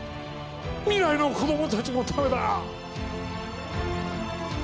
未来の子どもたちのためだ！